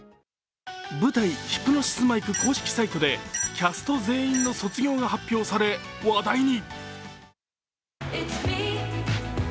舞台「ヒプノシスマイク」公式サイトでキャスト全員の卒業が発表され話題に。